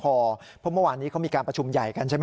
เพราะเมื่อวานนี้เขามีการประชุมใหญ่กันใช่ไหม